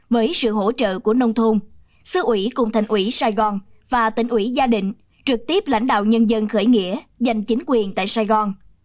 với sự hỗ trợ của nông thôn xứ ủy cùng thành ủy sài gòn và tỉnh ủy gia đình trực tiếp lãnh đạo nhân dân khởi nghĩa giành chính quyền tại sài gòn